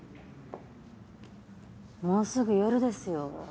もうすぐ夜ですよ。